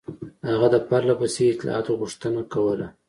هغه د پرله پسې اطلاعاتو غوښتنه کوله.